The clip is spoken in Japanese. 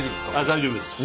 大丈夫ですか？